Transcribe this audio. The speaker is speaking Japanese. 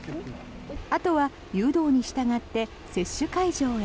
あとは誘導に従って接種会場へ。